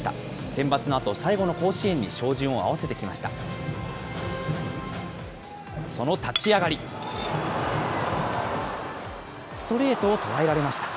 センバツのあと、最後の甲子園に照準を合わせてきました。